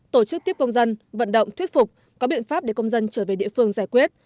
tổ chức tiếp công dân vận động thuyết phục có biện pháp để công dân trở về địa phương giải quyết